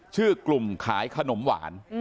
ชื่อกลุ่มขายขนมหวาน